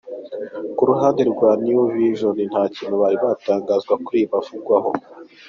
Ku ruhande rwa ‘New Vision’ nta kintu bari batangaza kuri ibi bavugwaho.